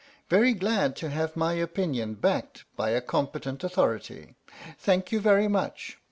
Very glad to have my opinion backed by a competent authority. Thank you very much.